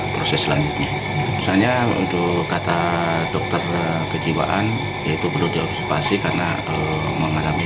proses selanjutnya misalnya untuk kata dokter kejiwaan yaitu perlu diobservasi karena mengalami